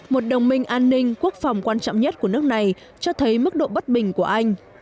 một đồng minh an ninh quốc phòng quan trọng nhất của nước này cho thấy mức độ bất bình của anh